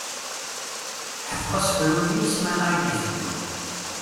Ḥfeḍ asefru-nni i ssmanan i d-iteddun.